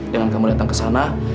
dengan kamu datang ke sana